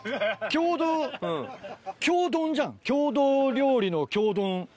郷土「郷丼」じゃん郷土料理の「郷丼」。